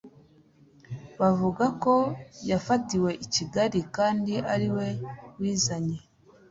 buvuga ko yafatiwe i Kigali kandi ari we wizanye.